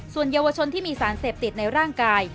ส่วนเยาวชนที่มีสารเสพติดในร่างกาย